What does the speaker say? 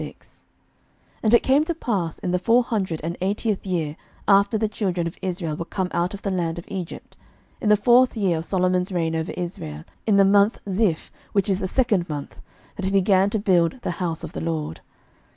11:006:001 And it came to pass in the four hundred and eightieth year after the children of Israel were come out of the land of Egypt, in the fourth year of Solomon's reign over Israel, in the month Zif, which is the second month, that he began to build the house of the LORD.